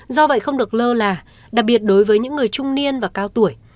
do vậy không được lơ là đặc biệt đối với những người trung niên và cao tuổi